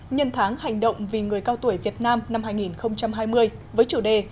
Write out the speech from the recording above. nhân tháng hành động vì người cao tuổi việt nam năm hai nghìn hai mươi với chủ đề